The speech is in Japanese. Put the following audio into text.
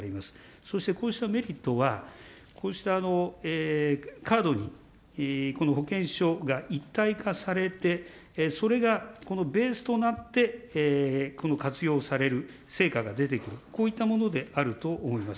そしてこうしたメリットは、こうしたカードに保険証が一体化されて、それがこのベースとなってこの活用される、成果が出てくる、こういったものであると思います。